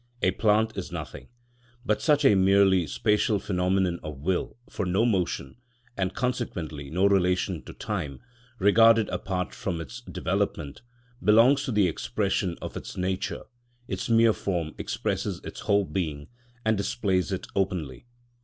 A plant is nothing but such a merely spatial phenomenon of will; for no motion, and consequently no relation to time (regarded apart from its development), belongs to the expression of its nature; its mere form expresses its whole being and displays it openly.